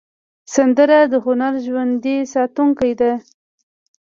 سندره د هنر ژوندي ساتونکی ده